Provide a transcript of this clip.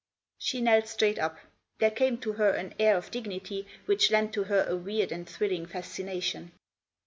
She knelt straight up. There came to her an air of dignity which lent to her a weird and thrilling fascination.